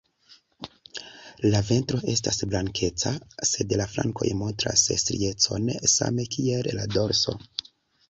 La ventro estas blankeca, sed la flankoj montras striecon same kiel la dorso.